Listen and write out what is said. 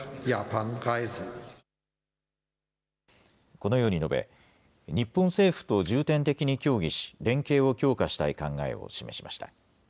このように述べ日本政府と重点的に協議し連携を強化したい考えを示しました。